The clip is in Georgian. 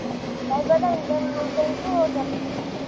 დაიბადა ინტელიგენტურ ოჯახში.